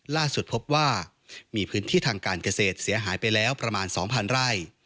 ล่าสุดพบว่ามีพื้นที่ทางการเกษตรเสียหายไปแล้วประมาณ๒๐๐ไร่